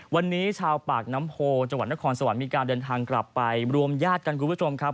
วันนี้ชาวปากน้ำโพจังหวัดนครสวรรค์มีการเดินทางกลับไปรวมญาติกันคุณผู้ชมครับ